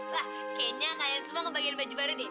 wah kayaknya kalian semua ngebagiin baju baru deh